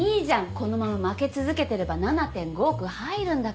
このまま負け続けてれば７．５億入るんだから。